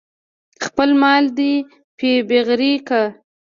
خپل مال دې پې بغرۍ که.